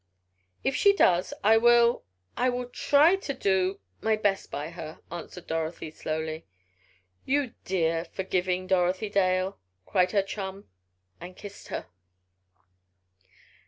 "If she does, I will I will try to do my best by her," answered Dorothy slowly. "You dear, forgiving Dorothy Dale!" cried her chum, and kissed her.